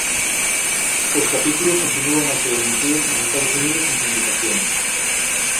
Os capítulos continúan a se emitir nos Estados Unidos en sindicación.